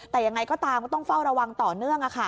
แต่ยังไงก็ตามก็ต้องเฝ้าระวังต่อเนื่อง